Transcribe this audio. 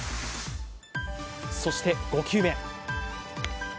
そして、５球目。